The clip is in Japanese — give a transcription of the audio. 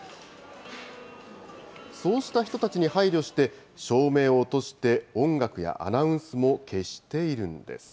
そうした人たちに配慮して、照明を落として、音楽やアナウンスも消しているんです。